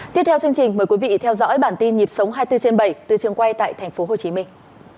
tiếp theo chương trình mời quý vị theo dõi bản tin nhịp sóng hai mươi bốn trên bảy từ trường quay tại thành phố hồ chí minh